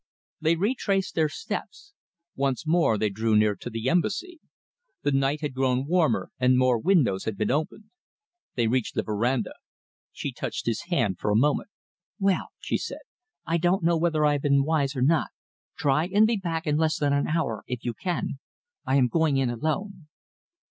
They retraced their steps. Once more they drew near to the Embassy. The night had grown warmer and more windows had been opened. They reached the verandah. She touched his hand for a moment. "Well," she said, "I don't know whether I have been wise or not. Try and be back in less than an hour, if you can. I am going in alone."